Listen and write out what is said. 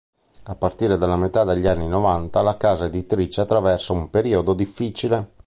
A partire dalla metà degli anni Novanta la casa editrice attraversa un periodo difficile.